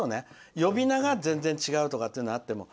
呼び名が全然違うってことはあっても。